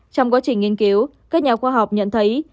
trong quá trình nghiên cứu các nhà khoa học nhận thấy